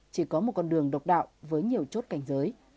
chỉ có một con đường độc đạo với nhiều chốt cảnh giới